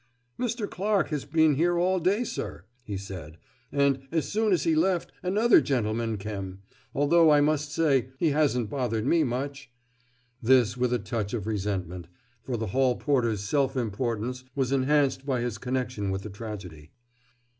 "Mr. Clarke has bin here all day, sir," he said, "and, as soon as he left, another gentleman kem, though I must say he hasn't bothered me much " this with a touch of resentment, for the hall porter's self importance was enhanced by his connection with the tragedy.